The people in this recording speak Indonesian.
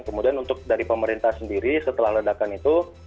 kemudian untuk dari pemerintah sendiri setelah ledakan itu